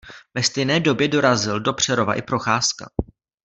Ve stejné době dorazil do Přerova i Procházka.